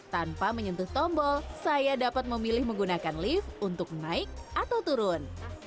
tanpa menyentuh tombol saya dapat memilih menggunakan lift untuk naik atau turun